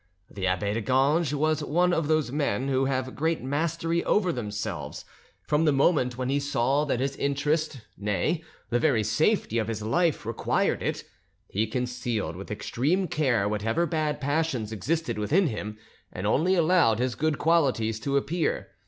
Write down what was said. The abbe de Ganges was one of those men who have great mastery over themselves: from the moment when he saw that his interest, nay, the very safety of his life required it, he concealed with extreme care whatever bad passions existed within him, and only allowed his good qualities to appear.